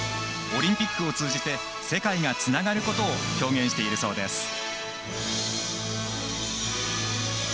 オリンピックを通じて世界がつながることを表現しているそうです。